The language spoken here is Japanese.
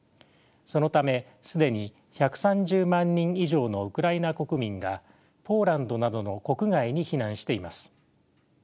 そのため既に１３０万人以上のウクライナ国民がポーランドなどの国外に避難しています。